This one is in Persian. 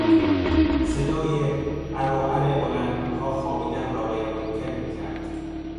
صدای عر و عر بلندگوها خوابیدن را غیر ممکن میکرد.